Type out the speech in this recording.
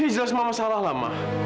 ya jelas mama salah la ma